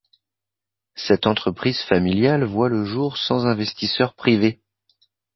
Cette entreprise familiale voit le jour sans investisseurs privés.